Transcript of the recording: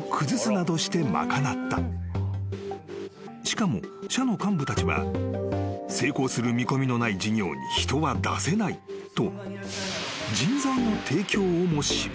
［しかも社の幹部たちは成功する見込みのない事業に人は出せないと］